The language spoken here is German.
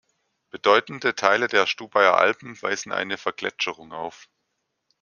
Bedeutende Teile der Stubaier Alpen weisen eine Vergletscherung auf.